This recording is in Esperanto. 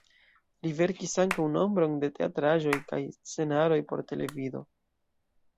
Li verkis ankaŭ nombron de teatraĵoj kaj scenaroj por televido.